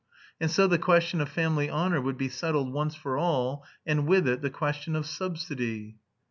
And so the question of family honour would be settled once for all, and with it the question of subsidy.